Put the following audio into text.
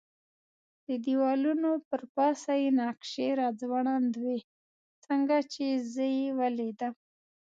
د دېوالونو پر پاسه یې نقشې را ځوړندې وې، څنګه چې یې زه ولیدلم.